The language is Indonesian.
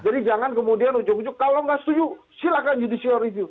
jadi jangan kemudian ujuk ujuk kalau nggak setuju silahkan judisial review